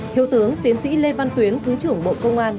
thiếu tướng tiến sĩ lê văn tuyến thứ trưởng bộ công an